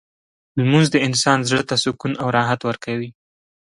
لمونځ د انسان زړه ته سکون او راحت ورکوي.